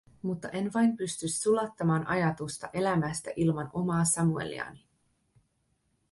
Mutta en vain pysty sulattamaan ajatusta elämästä ilman omaa Samueliani.